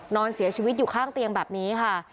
นอนเสียชีวิตอยู่ข้างเตียงแบบนี้ค่ะ